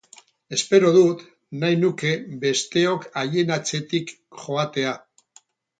Espero dut, nahi nuke, besteok haien atzetik joatea!